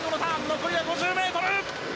残りは５０ｍ！